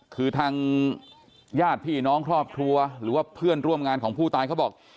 คือทางญาติพี่น้องครอบครัวหรือว่าเพื่อนร่วมงานของผู้ตายเขาบอก